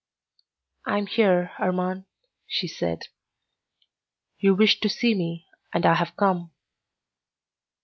"I am here, Armand," she said; "you wished to see me and I have come."